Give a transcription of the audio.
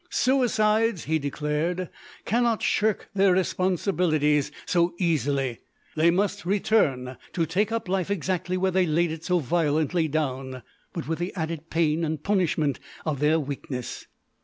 Suicides, he declared, cannot shirk their responsibilities so easily. They must return to take up life exactly where they laid it so violently down, but with the added pain and punishment of their weakness.